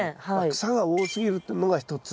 草が多すぎるというのが一つ。